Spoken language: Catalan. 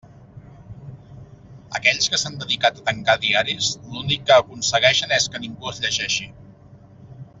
Aquells que s'han dedicat a tancar diaris l'únic que aconsegueixen és que ningú els llegeixi.